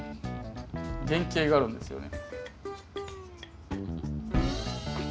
原型があるんですよね。